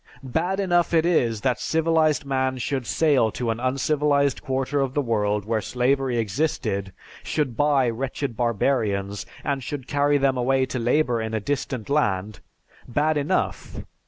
Bad enough it is that civilized man should sail to an uncivilized quarter of the world where slavery existed, should buy wretched barbarians, and should carry them away to labor in a distant land; bad enough!